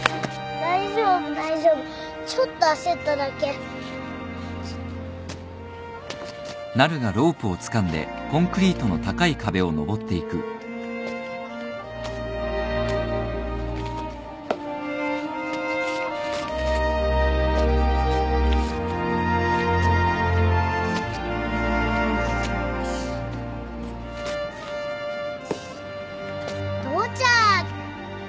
大丈夫大丈夫ちょっと焦っただけ。とうちゃーく。